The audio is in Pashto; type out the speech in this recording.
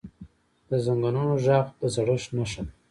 د زنګونونو ږغ د زړښت نښه ده.